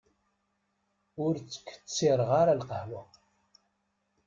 Ur ttkettireɣ ara lqahwa.